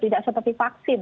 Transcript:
tidak seperti vaksin